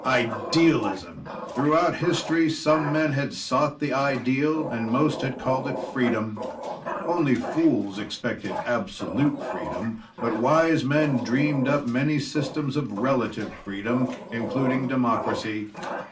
Idealism! Throughout history, some men had sought the ideal, and most had called it freedom. Only fools expected absolute freedom, but wise men dreamed up many systems of relative freedom, including democracy.